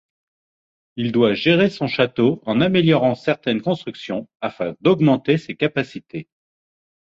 Il doit gérer son château en améliorant certaines constructions afin d'augmenter ses capacités.